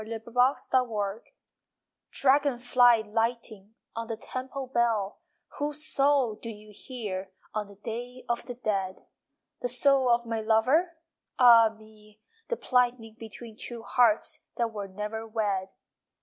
LOVE IN JAPAN I Dragon fly lighting On the temple bell, Whose soul do you hear On the Day of the Dead? The soul of my lover? Ah me, the plighting Between two hearts That were never wed!